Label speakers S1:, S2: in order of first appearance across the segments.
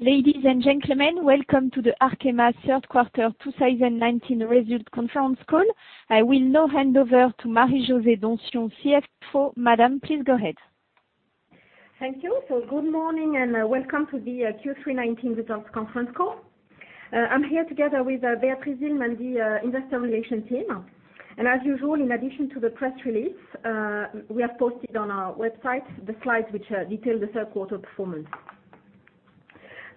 S1: Ladies and gentlemen, welcome to the Arkema third quarter 2019 results conference call. I will now hand over to Marie-José Donsion, CFO. Madam, please go ahead.
S2: Thank you. Good morning, and welcome to the Q3 2019 results conference call. I'm here together with Béatrice Zilm, the investor relation team. As usual, in addition to the press release, we have posted on our website the slides which detail the third quarter performance.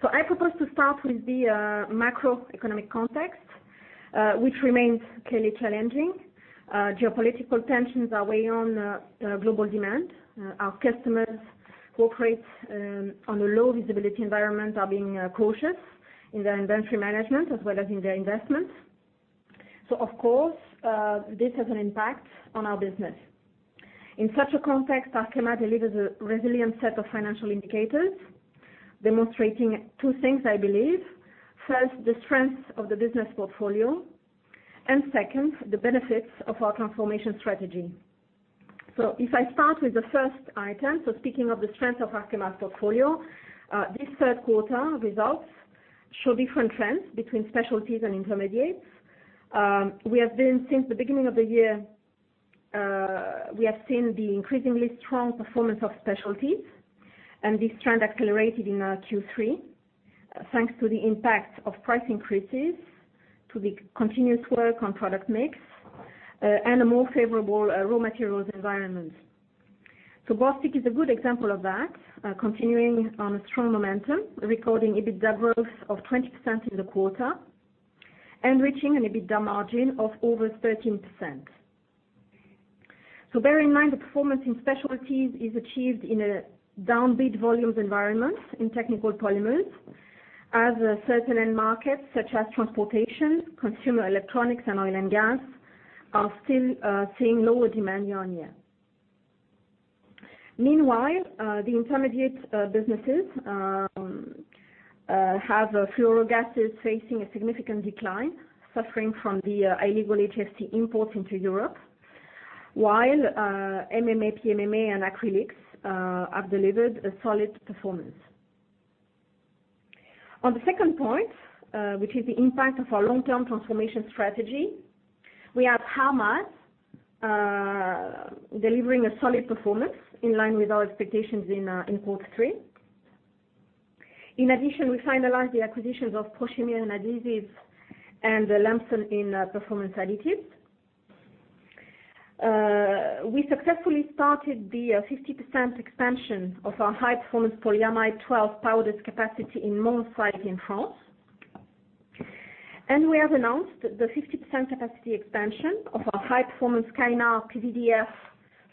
S2: I propose to start with the macroeconomic context, which remains clearly challenging. Geopolitical tensions are weighing on global demand. Our customers who operate on a low visibility environment are being cautious in their inventory management as well as in their investments. Of course, this has an impact on our business. In such a context, Arkema delivers a resilient set of financial indicators demonstrating two things, I believe. First, the strength of the business portfolio, and second, the benefits of our transformation strategy. If I start with the first item, speaking of the strength of Arkema's portfolio, this third quarter results show different trends between specialties and intermediates. Since the beginning of the year, we have seen the increasingly strong performance of specialties, and this trend accelerated in our Q3 thanks to the impact of price increases, to the continuous work on product mix, and a more favorable raw materials environment. Bostik is a good example of that, continuing on a strong momentum, recording EBITDA growth of 20% in the quarter and reaching an EBITDA margin of over 13%. Bear in mind, the performance in specialties is achieved in a downbeat volumes environment in technical polymers as certain end markets such as transportation, consumer electronics, and oil and gas are still seeing lower demand year-on-year. Meanwhile, the intermediate businesses have fluorogases facing a significant decline, suffering from the illegal HFC imports into Europe, while MMA, PMMA, and acrylics have delivered a solid performance. On the second point, which is the impact of our long-term transformation strategy, we have ArrMaz delivering a solid performance in line with our expectations in quarter 3. In addition, we finalized the acquisitions of Prochimir and Adhesives and Lambson in Performance Additives. We successfully started the 50% expansion of our high-performance polyamide 12 powders capacity in Mont site in France, and we have announced the 50% capacity expansion of our high-performance Kynar PVDF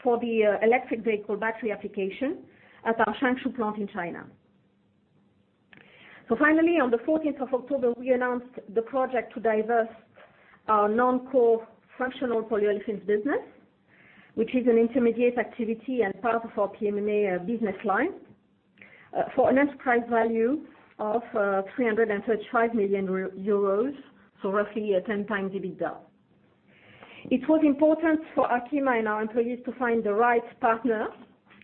S2: for the electric vehicle battery application at our Changshu plant in China. Finally, on the 14th of October, we announced the project to divest our non-core functional polyolefins business, which is an intermediate activity and part of our PMMA business line, for an enterprise value of €335 million, roughly at 10 times EBITDA. It was important for Arkema and our employees to find the right partner,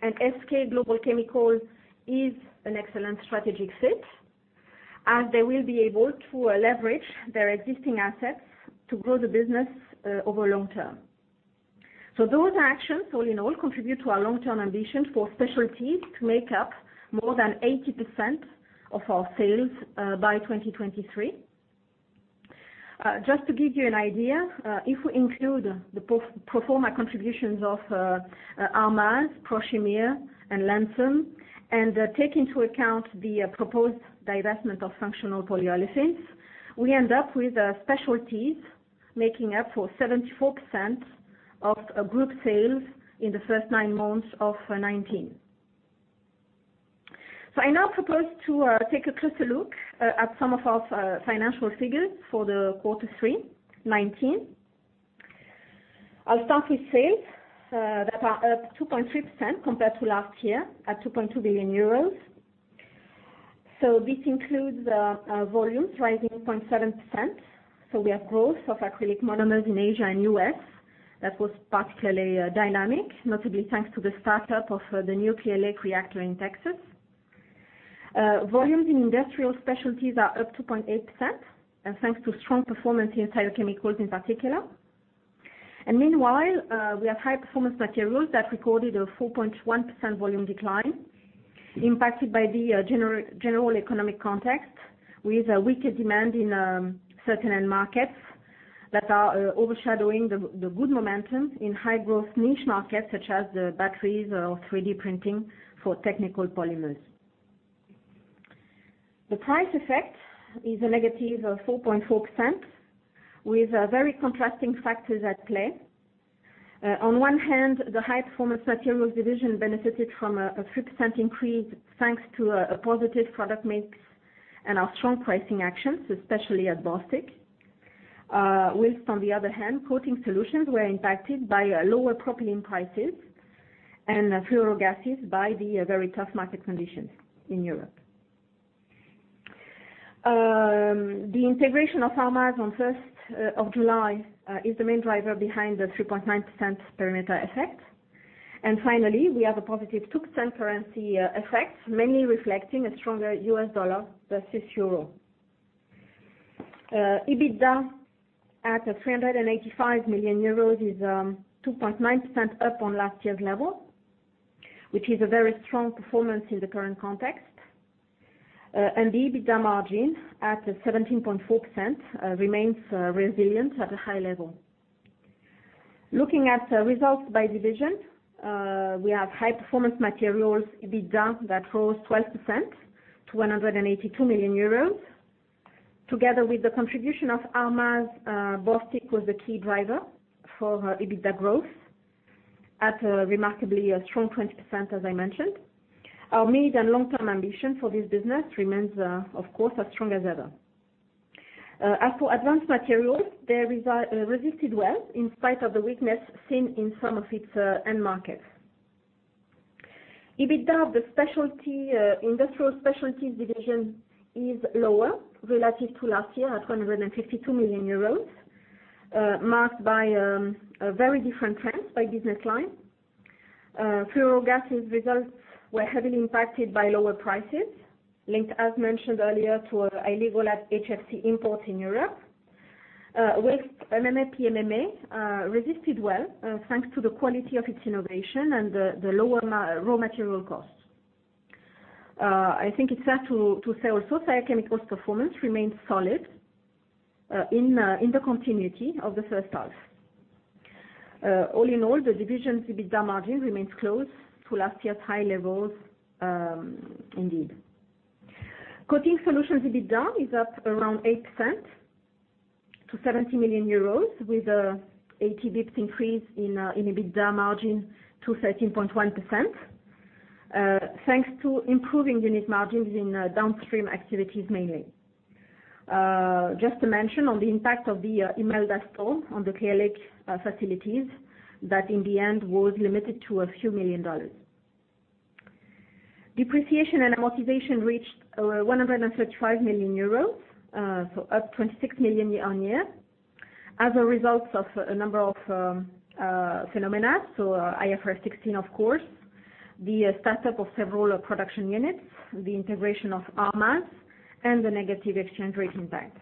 S2: and SK Global Chemical is an excellent strategic fit, as they will be able to leverage their existing assets to grow the business over long term. Those actions, all in all, contribute to our long-term ambition for specialties to make up more than 80% of our sales by 2023. Just to give you an idea, if we include the pro forma contributions of ArrMaz, Prochimir, and Lambson and take into account the proposed divestment of functional polyolefins, we end up with specialties making up for 74% of group sales in the first nine months of 2019. I now propose to take a closer look at some of our financial figures for Q3 2019. I'll start with sales that are up 2.3% compared to last year at 2.2 billion euros. This includes volumes rising 0.7%. We have growth of acrylic monomers in Asia and U.S. that was particularly dynamic, notably thanks to the start-up of the new acrylic acid reactor in Texas. Volumes in Industrial Specialties are up 2.8% and thanks to strong performance in tire chemicals in particular. Meanwhile, we have High Performance Materials that recorded a 4.1% volume decline impacted by the general economic context with weaker demand in certain end markets that are overshadowing the good momentum in high growth niche markets such as the batteries or 3D printing for technical polymers. The price effect is a negative of 4.4% with very contrasting factors at play. On one hand, the High Performance Materials division benefited from a 6% increase thanks to a positive product mix and our strong pricing actions, especially at Bostik. Whilst on the other hand, Coating Solutions were impacted by lower propylene prices and fluorogases by the very tough market conditions in Europe. The integration of ArrMaz on 1st of July is the main driver behind the 3.9% perimeter effect. Finally, we have a positive 2% currency effect, mainly reflecting a stronger US dollar versus euro. EBITDA at €385 million is 2.9% up on last year's level, which is a very strong performance in the current context. The EBITDA margin at 17.4% remains resilient at a high level. Looking at results by division, we have High Performance Materials EBITDA that rose 12% to €182 million. Together with the contribution of ArrMaz, Bostik was the key driver for EBITDA growth at a remarkably strong 20%, as I mentioned. Our mid-and long-term ambition for this business remains, of course, as strong as ever. As for Advanced Materials, they resisted well in spite of the weakness seen in some of its end markets. EBITDA of the Industrial Specialties division is lower relative to last year at €252 million, marked by very different trends by business line. Fluorogases results were heavily impacted by lower prices, linked, as mentioned earlier, to illegal HFC imports in Europe. Waxes MMA/PMMA resisted well, thanks to the quality of its innovation and the lower raw material costs. I think it's fair to say also, Arkema's performance remains solid in the continuity of the first half. All in all, the division EBITDA margin remains close to last year's high levels indeed. Coating Solutions EBITDA is up around 8% to €70 million, with a 80 basis points increase in EBITDA margin to 13.1%, thanks to improving unit margins in downstream activities mainly. Just to mention on the impact of Tropical Storm Imelda on the Clear Lake facilities that in the end was limited to a few million dollars. Depreciation and amortization reached over €135 million, up 26 million year-over-year, as a result of a number of phenomena: IFRS 16, of course, the setup of several production units, the integration of ArrMaz, and the negative exchange rate impact.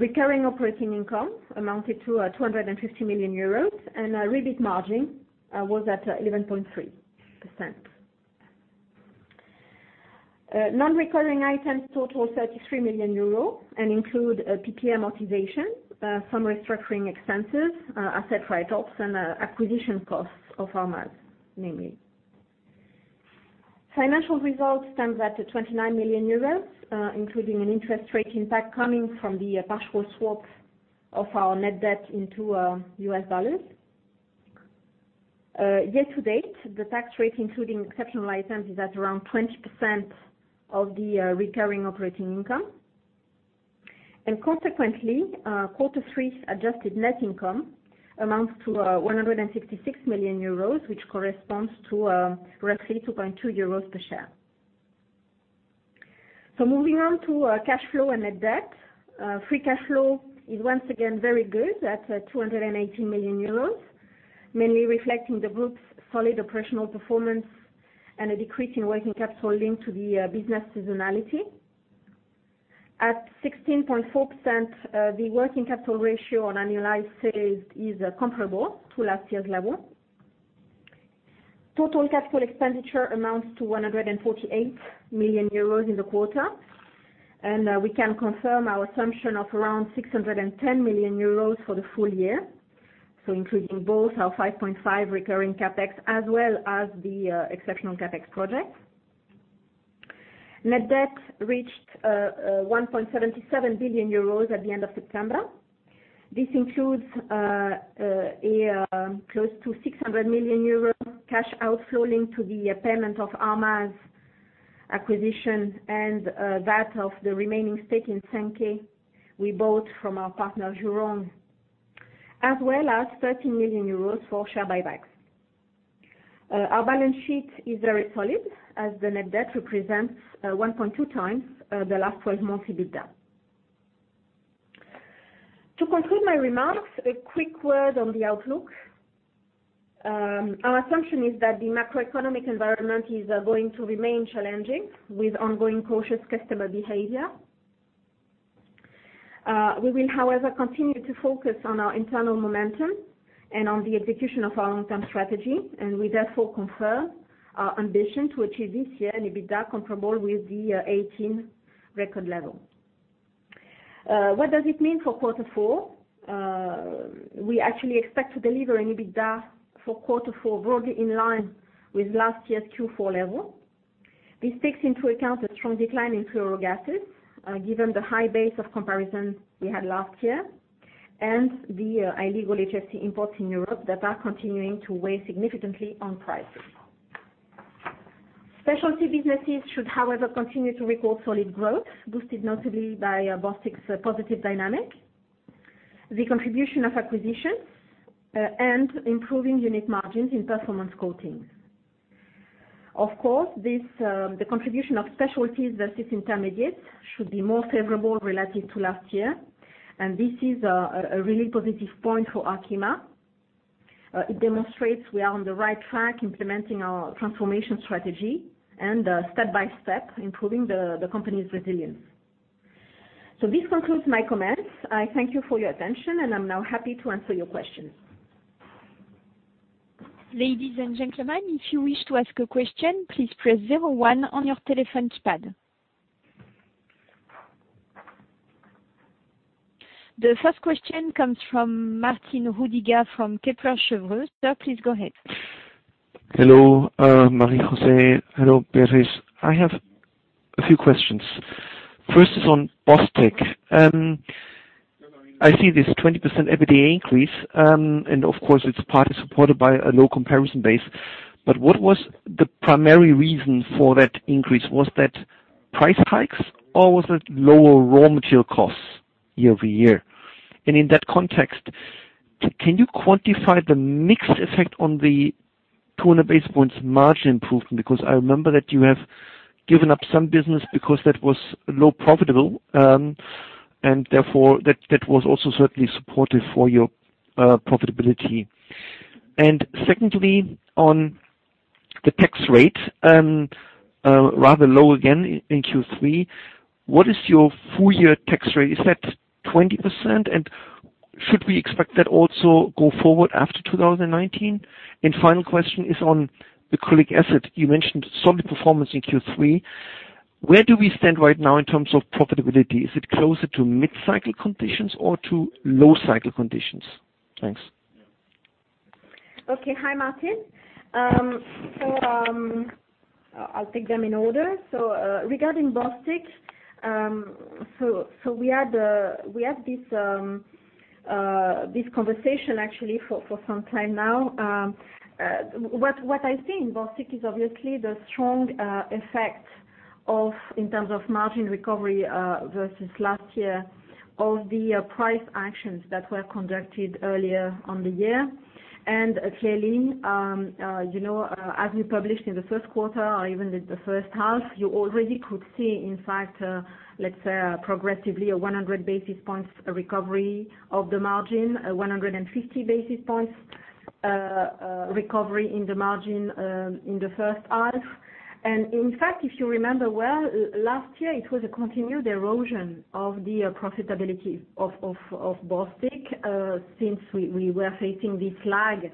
S2: Recurring operating income amounted to €250 million, and REBIT margin was at 11.3%. Non-recurring items total €33 million and include PPA amortization, some restructuring expenses, asset write-offs, and acquisition costs of ArrMaz, mainly. Financial results stands at €29 million, including an interest rate impact coming from the partial swap of our net debt into US dollars. Year to date, the tax rate, including exceptional items, is at around 20% of the recurring operating income. Consequently, quarter three's adjusted net income amounts to €166 million, which corresponds to roughly €2.2 per share. Moving on to cash flow and net debt. Free cash flow is once again very good at €218 million, mainly reflecting the group's solid operational performance and a decrease in working capital linked to the business seasonality. At 16.4%, the working capital ratio on annualized sales is comparable to last year's level. Total capital expenditure amounts to 148 million euros in the quarter. We can confirm our assumption of around 610 million euros for the full year. Including both our 5.5 recurring CapEx as well as the exceptional CapEx projects. Net debt reached 1.77 billion euros at the end of September. This includes close to 600 million euros cash outflow linked to the payment of ArrMaz acquisition and that of the remaining stake in Sunke we bought from our partner Jurong, as well as 13 million euros for share buybacks. Our balance sheet is very solid as the net debt represents 1.2 times the last 12-month EBITDA. To conclude my remarks, a quick word on the outlook. Our assumption is that the macroeconomic environment is going to remain challenging, with ongoing cautious customer behavior. We will, however, continue to focus on our internal momentum and on the execution of our long-term strategy, and we therefore confirm our ambition to achieve this year an EBITDA comparable with the 2018 record level. What does it mean for quarter four? We actually expect to deliver an EBITDA for quarter four broadly in line with last year's Q4 level. This takes into account a strong decline in fluorogases, given the high base of comparison we had last year, and the illegal HFC imports in Europe that are continuing to weigh significantly on prices. Specialty businesses should, however, continue to record solid growth, boosted notably by Bostik's positive dynamic, the contribution of acquisitions and improving unit margins in Performance Coatings. The contribution of specialties versus intermediates should be more favorable relative to last year, and this is a really positive point for Arkema. It demonstrates we are on the right track implementing our transformation strategy, and step by step, improving the company's resilience. This concludes my comments. I thank you for your attention, and I'm now happy to answer your questions.
S1: Ladies and gentlemen, if you wish to ask a question, please press 01 on your telephone keypad. The first question comes from Martin Roediger from Kepler Cheuvreux. Sir, please go ahead.
S3: Hello, Marie-José. Hello, Pierre. I have a few questions. First is on Bostik. I see this 20% EBITDA increase, and of course, it's partly supported by a low comparison base. What was the primary reason for that increase? Was that price hikes, or was it lower raw material costs year-over-year? In that context, can you quantify the mixed effect on the 200 basis points margin improvement? I remember that you have given up some business because that was low profitable, and therefore, that was also certainly supportive for your profitability. Secondly, on the tax rate, rather low again in Q3. What is your full year tax rate? Is that 20%? Should we expect that also go forward after 2019? Final question is on acrylic acid. You mentioned solid performance in Q3. Where do we stand right now in terms of profitability? Is it closer to mid-cycle conditions or to low-cycle conditions? Thanks.
S2: Hi, Martin. I'll take them in order. Regarding Bostik, we had this conversation actually for some time now. What I see in Bostik is obviously the strong effect, in terms of margin recovery versus last year, of the price actions that were conducted earlier in the year. Clearly, as we published in the first quarter or even the first half, you already could see in fact, let's say, progressively a 100 basis points recovery of the margin, a 150 basis points recovery in the margin in the first half. In fact, if you remember well, last year it was a continued erosion of the profitability of Bostik, since we were facing this lag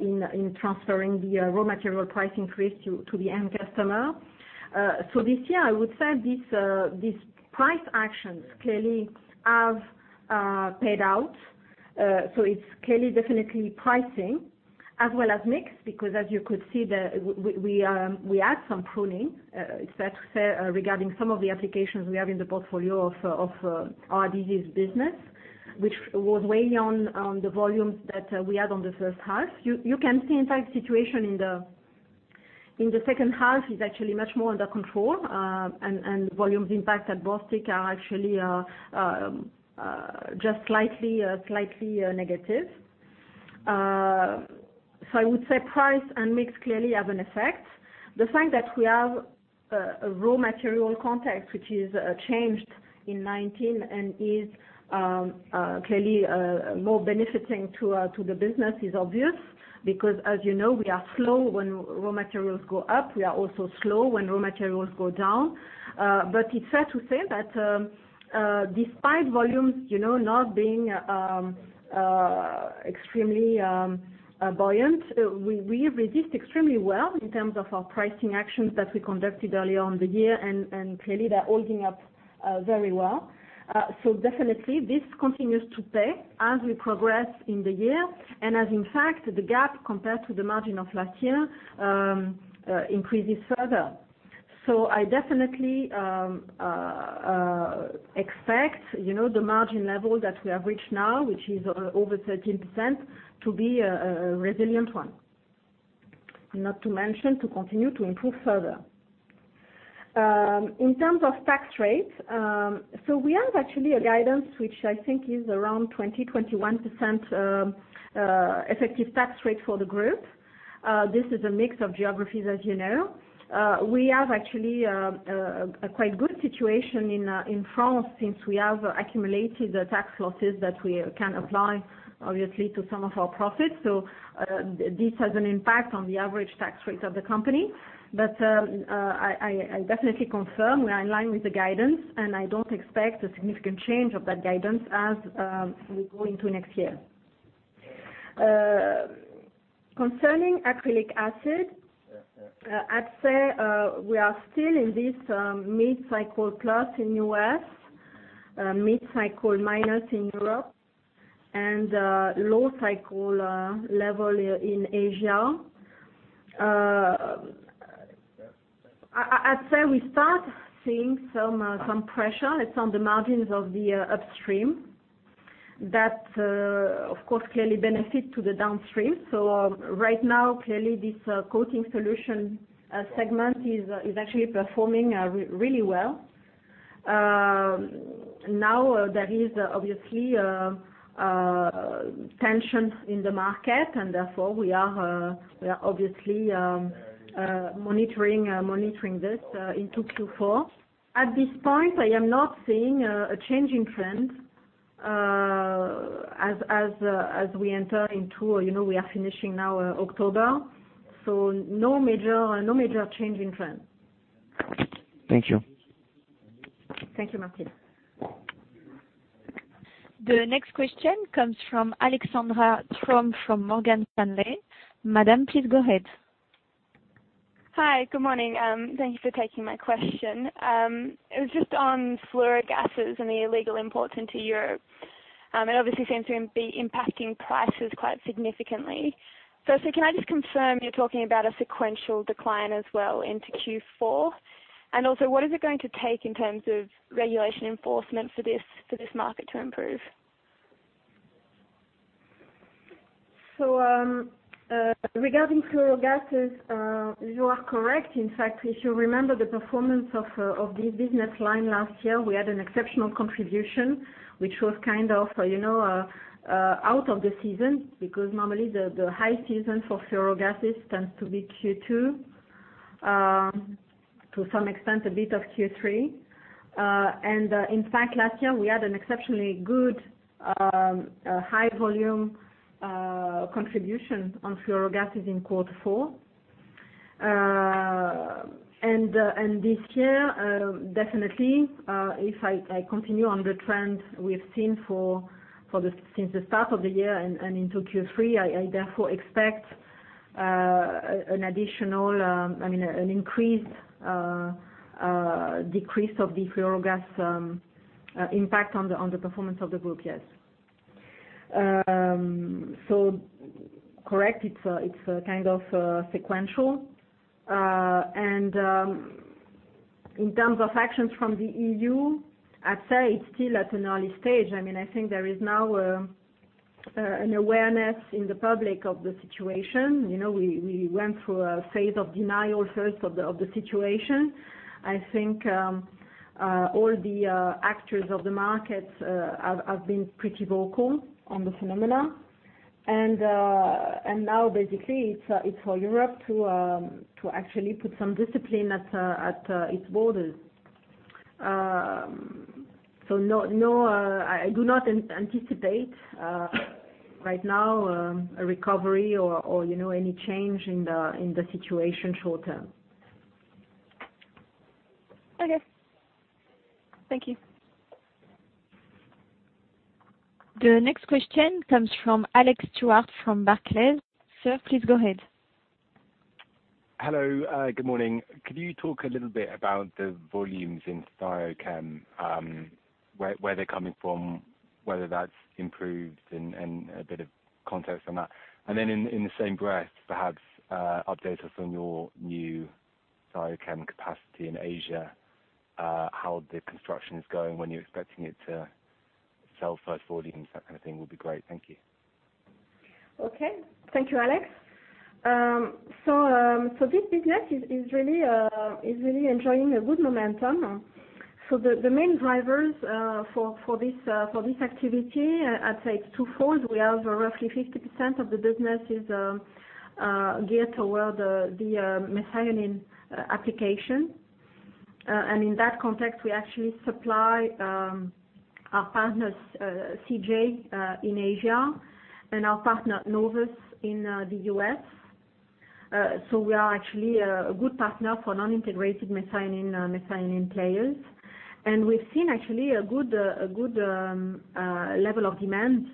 S2: in transferring the raw material price increase to the end customer. This year, I would say these price actions clearly have paid out. It's clearly definitely pricing as well as mix, because as you could see, we had some pruning. It's fair to say, regarding some of the applications we have in the portfolio of R&D's business, which was weighing on the volumes that we had in the first half. You can see in fact, the situation in the second half is actually much more under control, and volumes impact at Bostik are actually just slightly negative. The fact that we have a raw material context, which has changed in 2019 and is clearly more benefiting to the business is obvious, because as you know, we are slow when raw materials go up. We are also slow when raw materials go down. It's fair to say that, despite volumes not being extremely buoyant, we resist extremely well in terms of our pricing actions that we conducted earlier in the year, and clearly they're holding up very well. Definitely this continues to pay as we progress in the year, and as in fact, the gap compared to the margin of last year increases further. I definitely expect the margin level that we have reached now, which is over 13%, to be a resilient one. Not to mention, to continue to improve further. In terms of tax rates, we have actually a guidance which I think is around 20%-21% effective tax rate for the group. This is a mix of geographies, as you know. We have actually a quite good situation in France, since we have accumulated tax losses that we can apply, obviously, to some of our profits. This has an impact on the average tax rate of the company. I definitely confirm we are in line with the guidance, and I don't expect a significant change of that guidance as we go into next year. Concerning acrylic acid, I'd say we are still in this mid-cycle plus in U.S., mid-cycle minus in Europe, and low-cycle level in Asia. I'd say we start seeing some pressure. It's on the margins of the upstream. That, of course, clearly benefits to the downstream. Right now, clearly this Coating Solutions segment is actually performing really well. There is obviously a tension in the market and therefore we are obviously monitoring this into Q4. At this point, I am not seeing a change in trend. We are finishing now October, so no major change in trend.
S3: Thank you.
S2: Thank you, Martin.
S1: The next question comes from Alexandra Touton from Morgan Stanley. Madam, please go ahead.
S4: Hi. Good morning. Thank you for taking my question. It was just on fluorogases and the illegal imports into Europe. It obviously seems to be impacting prices quite significantly. If can I just confirm you're talking about a sequential decline as well into Q4? Also, what is it going to take in terms of regulation enforcement for this market to improve?
S2: Regarding fluorogases, you are correct. In fact, if you remember the performance of this business line last year, we had an exceptional contribution, which was kind of out of the season, because normally the high season for fluorogases tends to be Q2, to some extent, a bit of Q3. In fact, last year we had an exceptionally good, high volume contribution on fluorogases in Q4. This year, definitely, if I continue on the trend we've seen since the start of the year and into Q3, I therefore expect a decrease of the fluorogases impact on the performance of the group, yes. Correct, it's kind of sequential. In terms of actions from the EU, I'd say it's still at an early stage. I think there is now an awareness in the public of the situation. We went through a phase of denial first of the situation. I think all the actors of the market have been pretty vocal on the phenomena. Now basically it's for Europe to actually put some discipline at its borders. No, I do not anticipate right now a recovery or any change in the situation short term.
S4: Okay. Thank you.
S1: The next question comes from Alex Stewart from Barclays. Sir, please go ahead.
S5: Hello, good morning. Could you talk a little bit about the volumes in Thiochemicals, where they're coming from, whether that's improved and a bit of context on that? Then in the same breath perhaps update us on your new Thiochemicals capacity in Asia, how the construction is going, when you're expecting it to sell first volumes, that kind of thing would be great. Thank you.
S2: Okay. Thank you, Alex. This business is really enjoying a good momentum. The main drivers for this activity, I'd say it's twofolds. We have roughly 50% of the business is geared toward the methionine application. In that context, we actually supply our partners CJ in Asia and our partner Novus in the U.S. We are actually a good partner for non-integrated methionine players. We've seen actually a good level of demand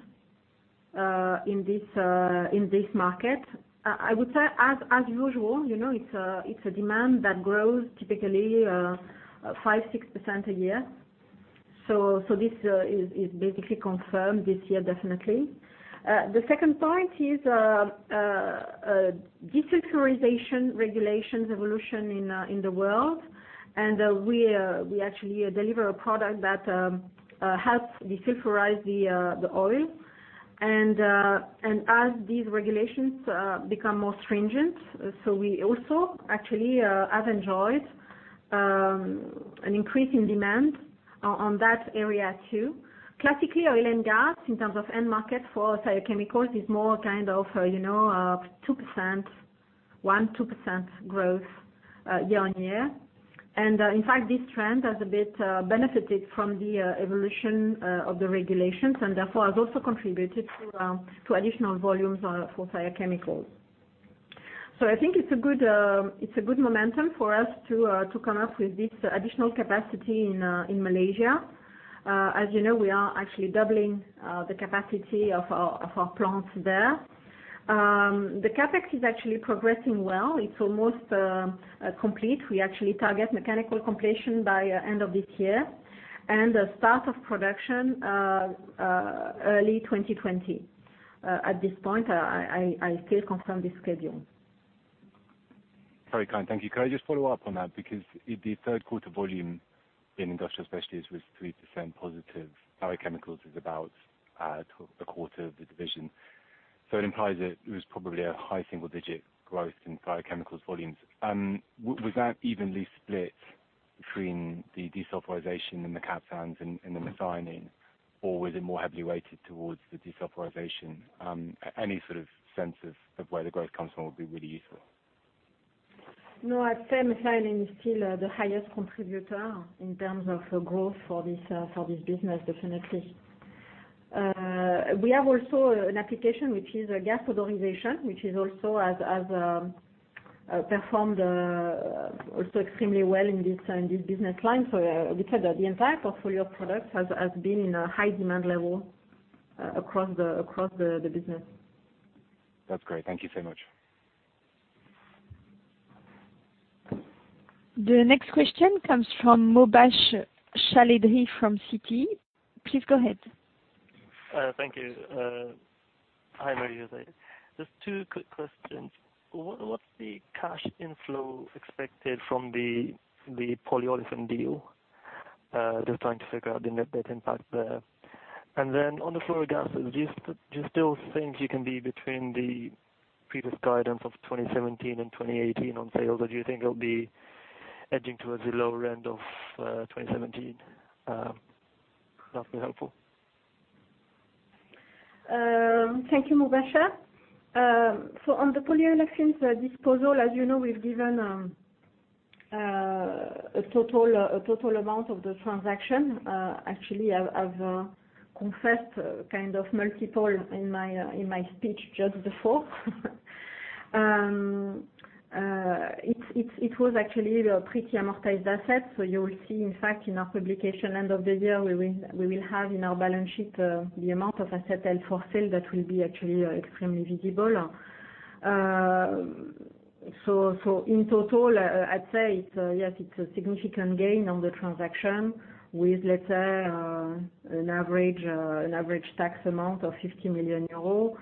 S2: in this market. I would say as usual, it's a demand that grows typically 5%, 6% a year. This is basically confirmed this year, definitely. The second point is desulfurization regulations evolution in the world, and we actually deliver a product that helps desulfurize the oil. As these regulations become more stringent, so we also actually have enjoyed an increase in demand on that area, too. Classically, oil and gas, in terms of end market for Thiochemicals, is more kind of 1%-2% growth year-on-year. In fact, this trend has a bit benefited from the evolution of the regulations and therefore has also contributed to additional volumes for Thiochemicals. I think it's a good momentum for us to come up with this additional capacity in Malaysia. As you know, we are actually doubling the capacity of our plants there. The CapEx is actually progressing well. It's almost complete. We actually target mechanical completion by end of this year and the start of production early 2020. At this point, I still confirm the schedule.
S5: Very kind. Thank you. Could I just follow up on that? The third quarter volume in Industrial Specialties was 3% positive. Biochemicals is about a quarter of the division, it implies that it was probably a high single-digit growth in biochemicals volumes. Was that evenly split between the desulfurization and the mercaptans and the methionine, or was it more heavily weighted towards the desulfurization? Any sort of sense of where the growth comes from would be really useful.
S2: No, I'd say methionine is still the highest contributor in terms of growth for this business, definitely. We have also an application, which is gas odorization, which has also performed extremely well in this business line. The entire portfolio of products has been in a high demand level across the business.
S5: That's great. Thank you so much.
S1: The next question comes from Mubasher Chaudhry from Citi. Please go ahead.
S6: Thank you. Hi, Marie-José. Just two quick questions. What's the cash inflow expected from the polyolefin deal? Just trying to figure out the net debt impact there. On the fluorogases, do you still think you can be between the previous guidance of 2017 and 2018 on sales, or do you think it'll be edging towards the lower end of 2017? That'd be helpful.
S2: Thank you, Mubasher. On the polyolefins disposal, as you know, we've given a total amount of the transaction. Actually, I've confessed kind of multiple in my speech just before. It was actually a pretty amortized asset. You will see, in fact, in our publication end of the year, we will have in our balance sheet the amount of asset held for sale that will be actually extremely visible. In total, I'd say, yes, it's a significant gain on the transaction with, let's say, an average tax amount of 50 million euros.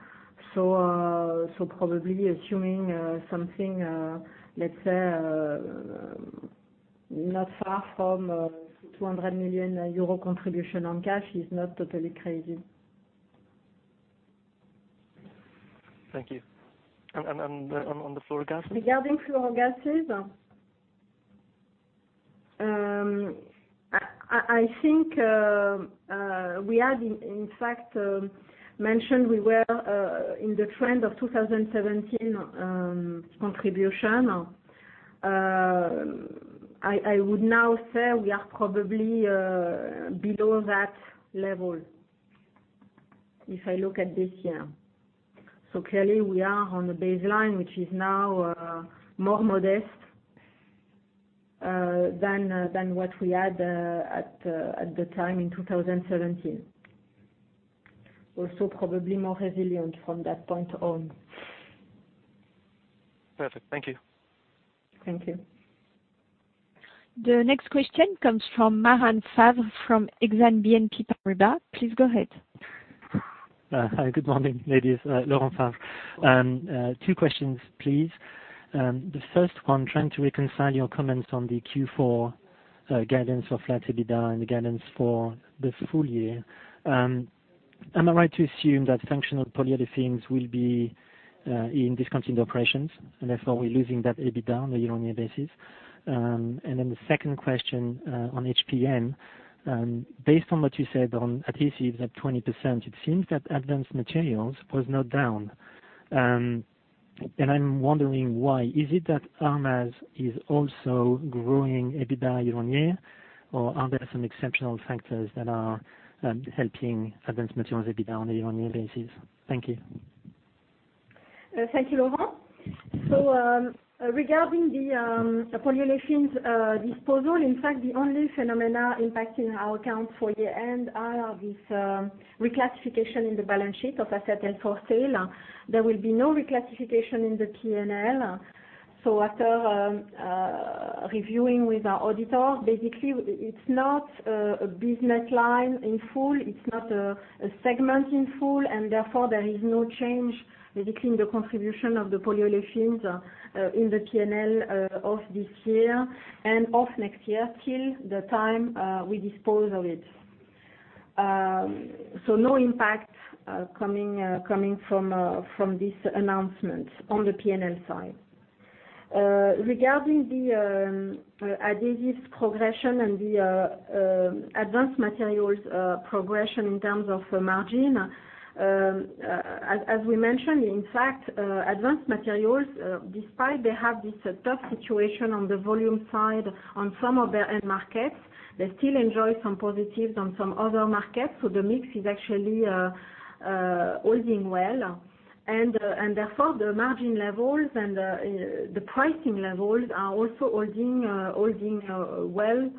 S2: Probably assuming something, let's say, not far from 200 million euro contribution on cash is not totally crazy.
S6: Thank you. On the fluorogases?
S2: Regarding fluorogases, I think we had, in fact, mentioned we were in the trend of 2017 contribution. I would now say we are probably below that level, if I look at this year. Clearly, we are on the baseline, which is now more modest than what we had at the time in 2017. Also, probably more resilient from that point on.
S6: Perfect. Thank you.
S2: Thank you.
S1: The next question comes from Laurent Favre from Exane BNP Paribas. Please go ahead.
S7: Hi, good morning, ladies. Laurent Favre. Two questions, please. The first one, trying to reconcile your comments on the Q4 guidance of flat EBITDA and the guidance for the full year. Am I right to assume that functional polyolefins will be in discontinued operations, and therefore we're losing that EBITDA on a year-on-year basis? The second question on HPM. Based on what you said on adhesives at 20%, it seems that Advanced Materials was not down. I'm wondering why. Is it that ArrMaz is also growing EBITDA year-on-year, or are there some exceptional factors that are helping Advanced Materials' EBITDA on a year-on-year basis? Thank you.
S2: Thank you, Laurent. Regarding the polyolefins disposal, in fact, the only phenomena impacting our accounts for year-end are this reclassification in the balance sheet of asset held for sale. There will be no reclassification in the P&L. After reviewing with our auditor, basically it's not a business line in full, it's not a segment in full, and therefore there is no change basically in the contribution of the polyolefins in the P&L of this year and of next year till the time we dispose of it. No impact coming from this announcement on the P&L side. Regarding the adhesives progression and the Advanced Materials progression in terms of margin, as we mentioned, in fact, Advanced Materials, despite they have this tough situation on the volume side on some of their end markets, they still enjoy some positives on some other markets. The mix is actually holding well. Therefore, the margin levels and the pricing levels are also holding well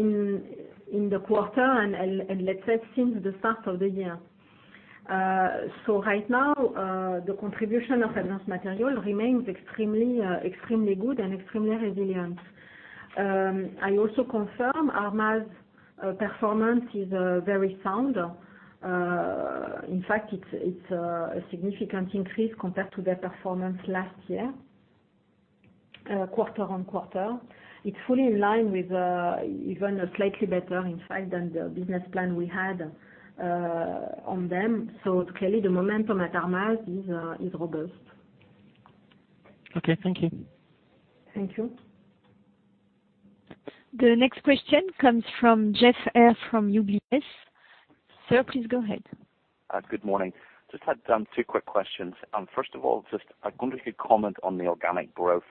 S2: in the quarter and let's say since the start of the year. Right now, the contribution of Advanced Materials remains extremely good and extremely resilient. I also confirm ArrMaz performance is very sound. In fact, it's a significant increase compared to their performance last year, quarter-on-quarter. It's fully in line with, even a slightly better, in fact, than the business plan we had on them. Clearly the momentum at ArrMaz is robust.
S7: Okay. Thank you.
S2: Thank you.
S1: The next question comes from Geoff Haire from UBS. Sir, please go ahead.
S8: Good morning. Just had two quick questions. First of all, just I wonder if you'd comment on the organic growth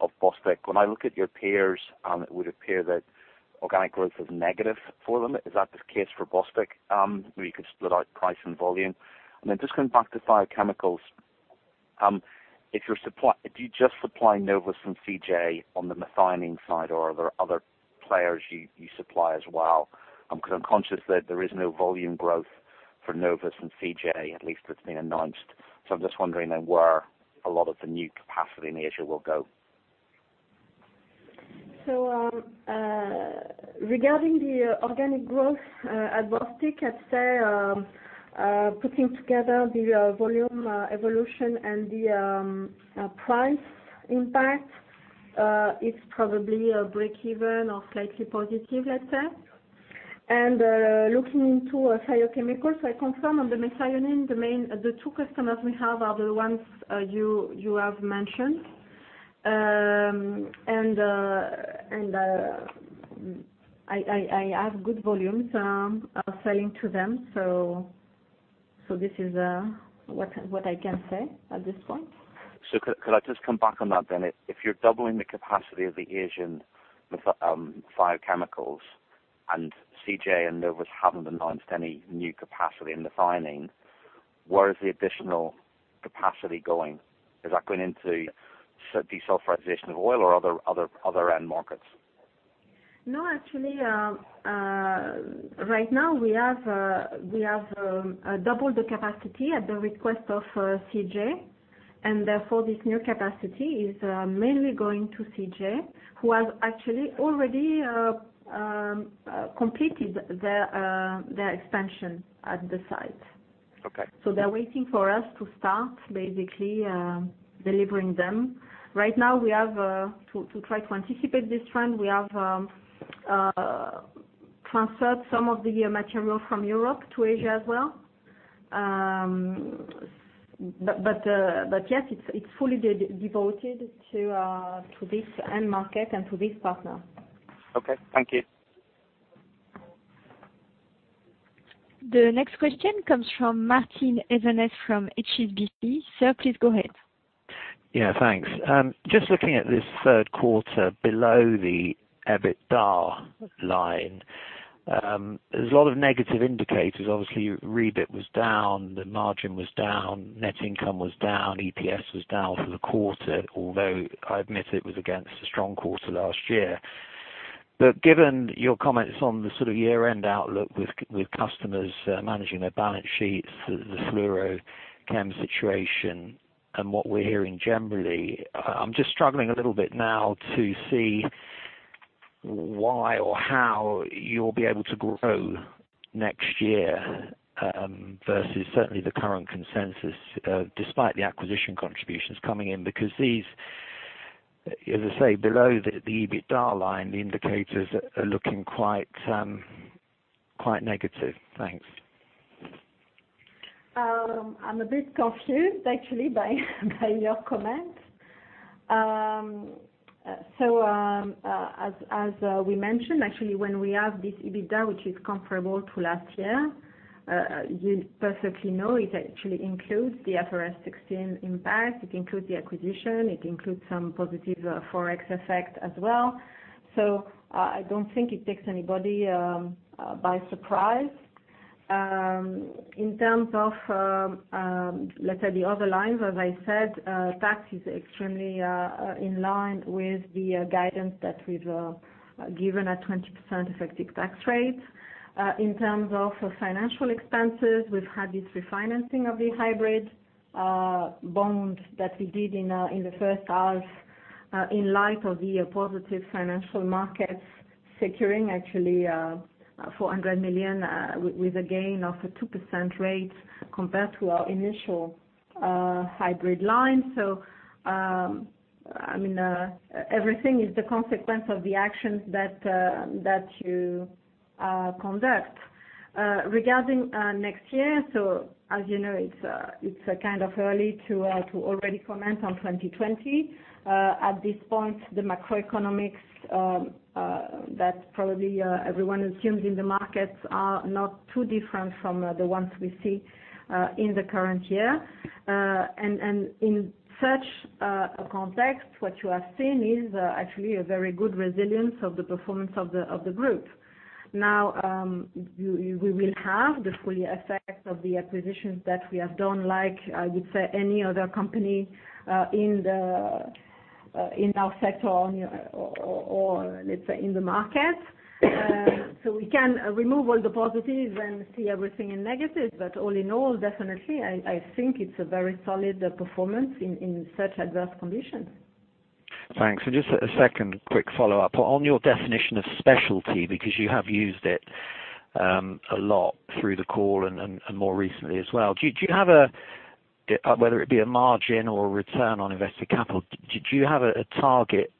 S8: of Bostik. When I look at your peers, it would appear that organic growth is negative for them. Is that the case for Bostik? Maybe you could split out price and volume. Just going back to biochemicals, do you just supply Novus and CJ on the methionine side, or are there other players you supply as well? Because I'm conscious that there is no volume growth for Novus and CJ, at least that's been announced. I'm just wondering then where a lot of the new capacity in the Asia will go.
S2: Regarding the organic growth at Bostik, I'd say, putting together the volume evolution and the price impact, it's probably a break even or slightly positive let's say. Looking into biochemicals, I confirm on the methionine, the two customers we have are the ones you have mentioned. I have good volumes selling to them, so this is what I can say at this point.
S8: Could I just come back on that then? If you're doubling the capacity of the Asian biochemicals and CJ and Novus haven't announced any new capacity in methionine, where is the additional capacity going? Is that going into desulfurization of oil or other end markets?
S2: No, actually, right now we have doubled the capacity at the request of CJ, and therefore this new capacity is mainly going to CJ, who has actually already completed their expansion at the site.
S8: Okay.
S2: They're waiting for us to start basically, delivering them. Right now, we have to try to anticipate this trend. We have transferred some of the material from Europe to Asia as well. Yes, it's fully devoted to this end market and to this partner.
S8: Okay. Thank you.
S1: The next question comes from Martin Evans from HSBC. Sir, please go ahead.
S9: Yeah. Thanks. Just looking at this third quarter below the EBITDA line, there's a lot of negative indicators. Obviously, REBIT was down, the margin was down, net income was down, EPS was down for the quarter, although I admit it was against a strong quarter last year. Given your comments on the sort of year-end outlook with customers managing their balance sheets, the fluorochem situation and what we're hearing generally, I'm just struggling a little bit now to see why or how you'll be able to grow next year, versus certainly the current consensus, despite the acquisition contributions coming in. These, as I say, below the EBITDA line, the indicators are looking quite negative. Thanks.
S2: I'm a bit confused actually by your comment. As we mentioned, actually, when we have this EBITDA, which is comparable to last year, you perfectly know it actually includes the IFRS 16 impact. It includes the acquisition. It includes some positive Forex effect as well. I don't think it takes anybody by surprise. In terms of, let's say the other lines, as I said, tax is extremely in line with the guidance that we've given at 20% effective tax rate. In terms of financial expenses, we've had this refinancing of the hybrid bond that we did in the first half, in light of the positive financial markets securing actually, $400 million with a gain of a 2% rate compared to our initial hybrid line. Everything is the consequence of the actions that you conduct. Regarding next year, as you know, it's kind of early to already comment on 2020. At this point, the macroeconomics that probably everyone assumes in the markets are not too different from the ones we see in the current year. In such a context, what you are seeing is actually a very good resilience of the performance of the group. Now, we will have the full effect of the acquisitions that we have done, like, I would say any other company in our sector or let's say in the market. We can remove all the positives and see everything in negative. All in all, definitely, I think it's a very solid performance in such adverse conditions.
S9: Thanks. Just a second quick follow-up. On your definition of specialty, because you have used it a lot through the call and more recently as well. Do you have a, whether it be a margin or a return on invested capital, do you have a target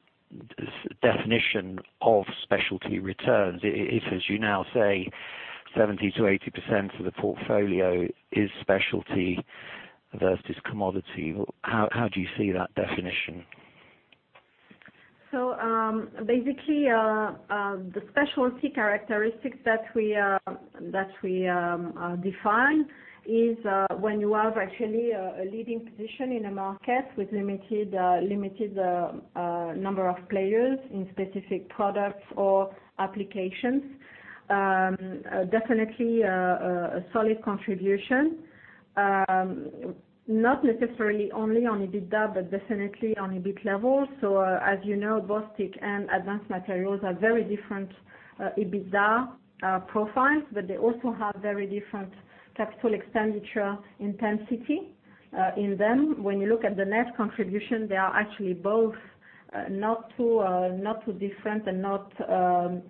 S9: definition of specialty returns? If, as you now say, 70%-80% of the portfolio is specialty versus commodity, how do you see that definition?
S2: Basically, the specialty characteristics that we define is when you have actually a leading position in a market with limited number of players in specific products or applications. Definitely a solid contribution. Not necessarily only on EBITDA, but definitely on EBIT level. As you know, Bostik and Advanced Materials have very different EBITDA profiles, but they also have very different capital expenditure intensity in them. When you look at the net contribution, they are actually both not too different and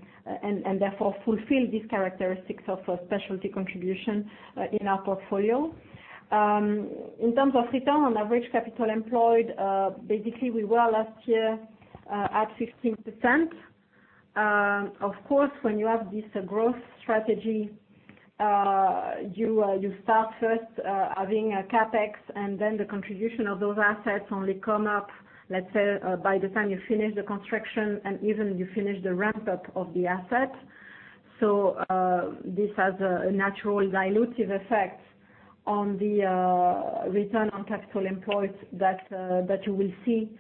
S2: therefore fulfill these characteristics of a specialty contribution in our portfolio. In terms of return on average capital employed, basically we were last year at 16%. Of course, when you have this growth strategy, you start first having a CapEx and then the contribution of those assets only come up, let's say, by the time you finish the construction and even you finish the ramp-up of the asset. This has a natural dilutive effect on the return on capital employed that you will see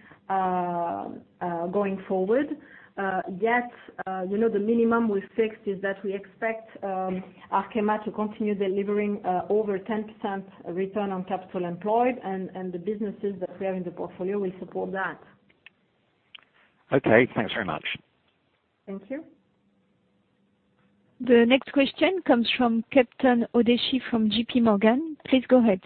S2: going forward. The minimum we fixed is that we expect Arkema to continue delivering over 10% return on capital employed, and the businesses that we have in the portfolio will support that.
S9: Okay. Thanks very much.
S2: Thank you.
S1: The next question comes from Chetan Udeshi from J.P. Morgan. Please go ahead.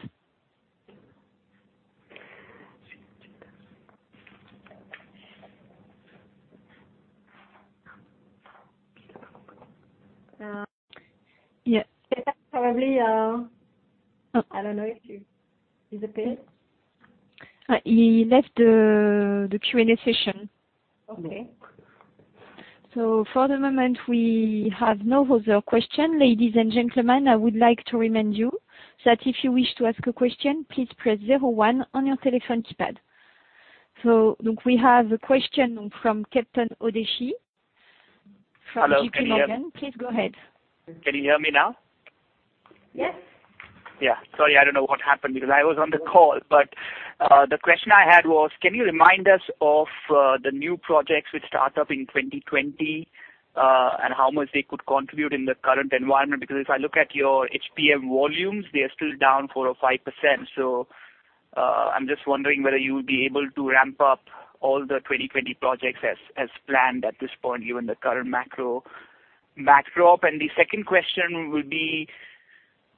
S2: Yeah. Chetan probably, I don't know if he disappeared.
S1: He left the Q&A session.
S2: Okay.
S1: For the moment, we have no further question. Ladies and gentlemen, I would like to remind you that if you wish to ask a question, please press zero one on your telephone keypad. We have a question from Chetan Udeshi from J.P. Morgan.
S10: Hello, can you hear me?
S1: Please go ahead.
S10: Can you hear me now?
S2: Yes.
S10: Yeah. Sorry, I don't know what happened because I was on the call, but the question I had was, can you remind us of the new projects which start up in 2020, and how much they could contribute in the current environment? If I look at your HPM volumes, they are still down 4% or 5%. I'm just wondering whether you will be able to ramp up all the 2020 projects as planned at this point, given the current macro backdrop. The second question would be,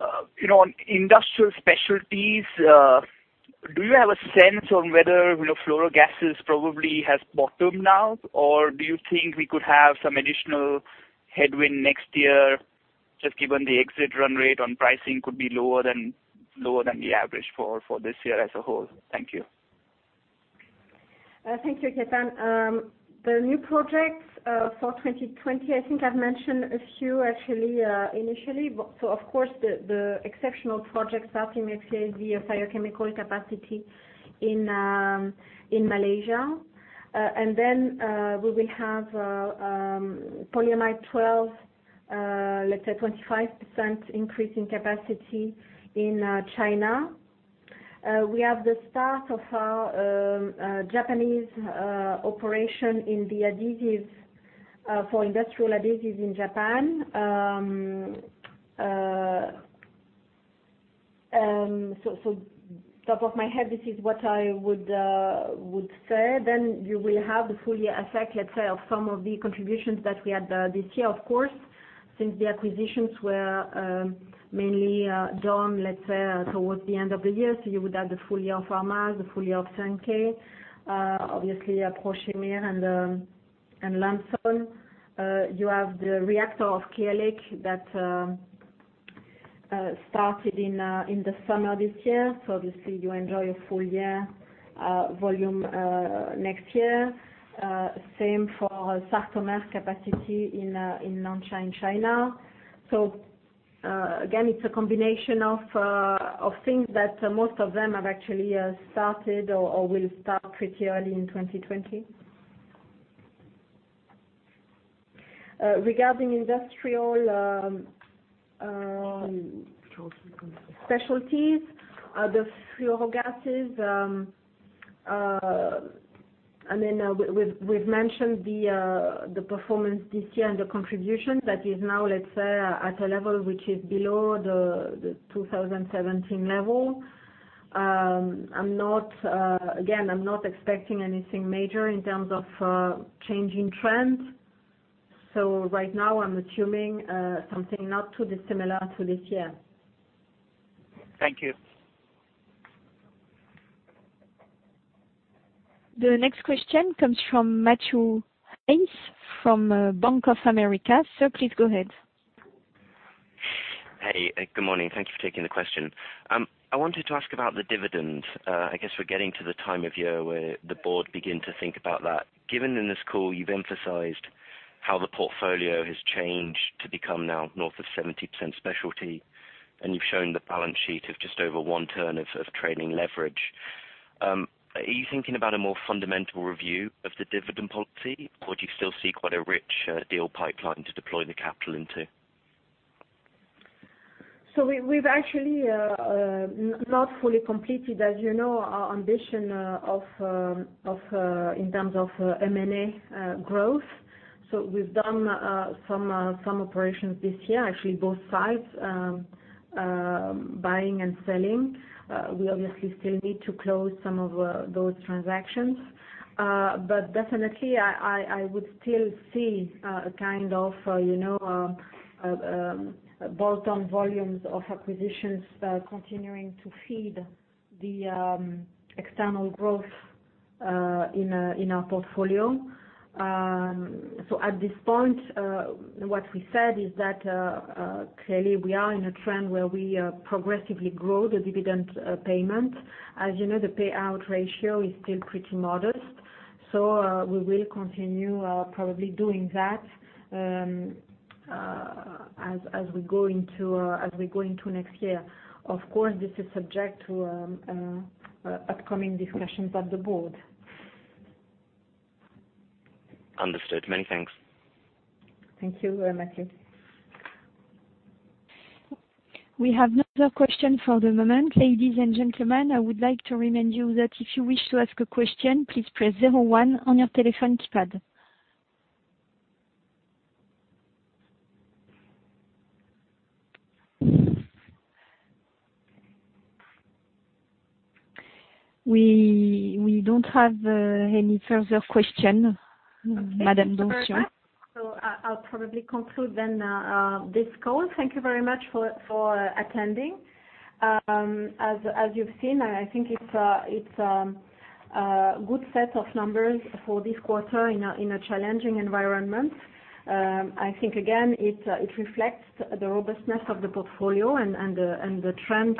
S10: on Industrial Specialties, do you have a sense on whether fluorogases probably has bottomed now? Do you think we could have some additional headwind next year, just given the exit run rate on pricing could be lower than the average for this year as a whole? Thank you.
S2: Thank you, Chetan. New projects for 2020, I think I've mentioned a few actually, initially. Of course, the exceptional projects starting next year is the biochemical capacity in Malaysia. We will have polyamide 12, let's say 25% increase in capacity in China. We have the start of our Japanese operation in the adhesives for industrial adhesives in Japan. Top of my head, this is what I would say. You will have the full year effect, let's say, of some of the contributions that we had this year, of course, since the acquisitions were mainly done, let's say, towards the end of the year. You would have the full year of ArrMaz, the full year of Sunke. Obviously, Prochimir and Lambson. You have the reactor of Clear Lake that started in the summer this year, so obviously you enjoy a full year volume next year. Same for Sartomer capacity in Nansha, China. Again, it's a combination of things that most of them have actually started or will start pretty early in 2020. Regarding Industrial Specialties, the fluorogases, I mean, we've mentioned the performance this year and the contribution that is now, let's say, at a level which is below the 2017 level. Again, I'm not expecting anything major in terms of change in trend. Right now I'm assuming something not too dissimilar to this year. Thank you.
S1: The next question comes from Matthew Yates from Bank of America. Sir, please go ahead.
S11: Hey. Good morning. Thank you for taking the question. I wanted to ask about the dividend. I guess we're getting to the time of year where the board begin to think about that. Given in this call, you've emphasized how the portfolio has changed to become now north of 70% specialty, and you've shown the balance sheet of just over one turn of trading leverage. Are you thinking about a more fundamental review of the dividend policy, or do you still see quite a rich deal pipeline to deploy the capital into?
S2: We've actually not fully completed, as you know, our ambition in terms of M&A growth. We've done some operations this year. Actually, both sides, buying and selling. We obviously still need to close some of those transactions. Definitely, I would still see a kind of bolt-on volumes of acquisitions continuing to feed the external growth in our portfolio. At this point, what we said is that, clearly, we are in a trend where we progressively grow the dividend payment. As you know, the payout ratio is still pretty modest. We will continue probably doing that as we go into next year. Of course, this is subject to upcoming discussions at the board.
S11: Understood. Many thanks.
S2: Thank you, Matthew.
S1: We have no other question for the moment. Ladies and gentlemen, I would like to remind you that if you wish to ask a question, please press zero one on your telephone keypad. We don't have any further question, Madame Donsion.
S2: Okay. I'll probably conclude then this call. Thank you very much for attending. As you've seen, I think it's a good set of numbers for this quarter in a challenging environment. I think, again, it reflects the robustness of the portfolio and the trend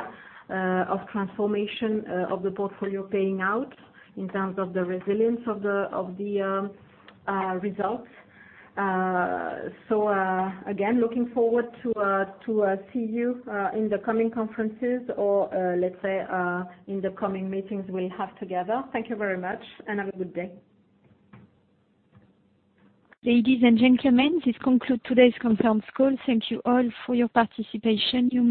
S2: of transformation of the portfolio paying out in terms of the resilience of the results. Again, looking forward to see you in the coming conferences or, let's say, in the coming meetings we'll have together. Thank you very much. Have a good day.
S1: Ladies and gentlemen, this conclude today's conference call. Thank you all for your participation.